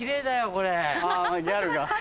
これ・あギャルが。